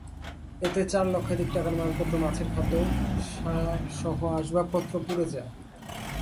এতে চার লক্ষাধিক টাকার মালপত্র মাছের খাদ্য, সারসহ আসবাবপত্র পুড়ে যায়।